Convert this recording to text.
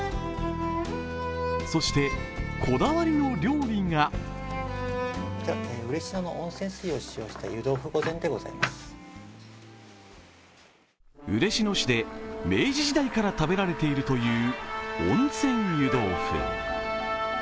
そしてこだわりの料理が嬉野市で明治時代から食べられているという温泉湯豆腐。